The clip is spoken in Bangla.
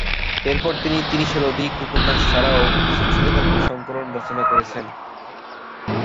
এরপর তিনি ত্রিশের অধিক উপন্যাস ছাড়াও কিছু ছোটগল্প সংকলন রচনা করেছেন।